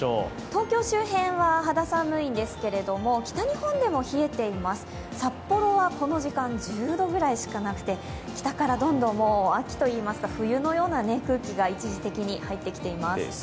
東京周辺は肌寒いんですけれども、北日本でも冷えています、札幌はこの時間、１０度ぐらいしかなくて北からどんどん、秋といいますか、冬のような空気が一時的に入ってきています。